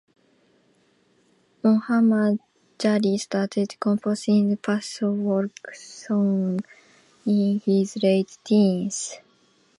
Mohammad Ghazi started composing Pashto folk songs in his late teens.